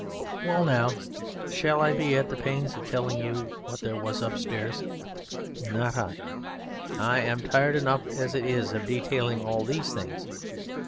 Well, now, shall I be at the pains of telling you what there was upstairs? Not I! I am tired enough as it is of detailing all these things.